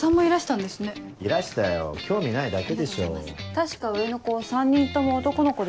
確か上の子３人とも男の子ですよね。